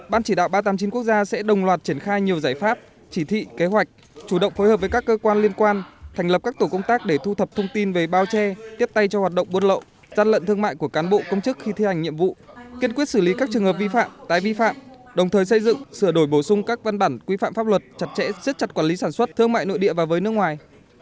ban chỉ đạo ba trăm tám mươi chín quốc gia sẽ đồng loạt triển khai nhiều giải pháp chỉ thị kế hoạch chủ động phối hợp với các cơ quan liên quan thành lập các tổ công tác để thu thập thông tin về bao che tiếp tay cho hoạt động buôn lộ gian lận thương mại của cán bộ công chức khi thi hành nhiệm vụ kiên quyết xử lý các trường hợp vi phạm tái vi phạm đồng thời xây dựng sửa đổi bổ sung các văn bản quy phạm pháp luật chặt chẽ xếp chặt quản lý sản xuất thương mại nội địa và với nước ngoài